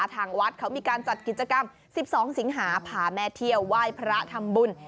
ทางวัดเขามีการจัดกิจกรรม๑๒สิงหาพาแม่เที่ยวไหว้พระทำบุญ